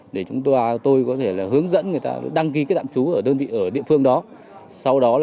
để chúng tôi có thể là hướng dẫn người ta đăng ký cái tạm trú ở địa phương đó